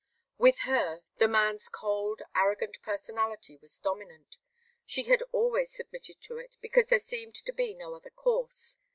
With her, the man's cold, arrogant personality was dominant. She had always submitted to it because there seemed to be no other course.